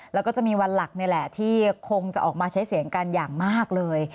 แล้วก็จะมีวันหลักนี่แหละที่คงจะออกมาใช้เสียงกันอย่างมากเลย